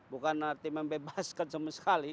bukan arti membebaskan sama sekali